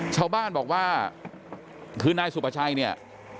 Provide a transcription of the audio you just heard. ชาวบ้านบอกว่าคือนายสุภาชัยเนี่ย